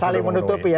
saling menutupi ya